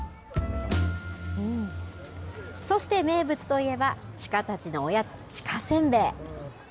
そして名物といえば鹿たちのおやつ、鹿せんべい。